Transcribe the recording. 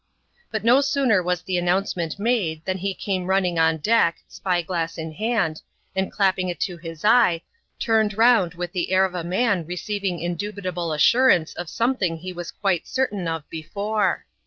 But no sooner was the announcement made, than he came running on deck, spy.glass in hand, and clapping it to his eye, turned round with the air of a man receiving indubitable assurance <^ something he was quite certain of before.